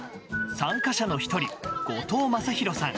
参加者の１人後藤正洋さん。